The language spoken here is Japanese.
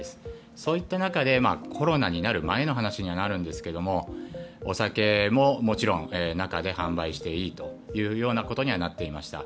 そういった中でコロナになる前の話になりますがもちろん、お酒も中で販売していいというようなことになっていました。